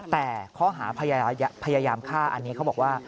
แต่ข้อหาพยายามฆ่าอันนี้เขาบอกว่า